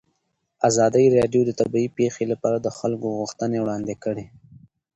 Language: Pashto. ازادي راډیو د طبیعي پېښې لپاره د خلکو غوښتنې وړاندې کړي.